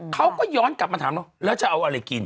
เขาก็ย้อนกลับมาถามน้องแล้วจะเอาอะไรกิน